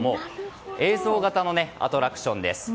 映像型のアトラクションです。